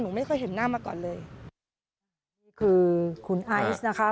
ไม่เคยเห็นหน้ามาก่อนเลยนี่คือคุณไอซ์นะคะ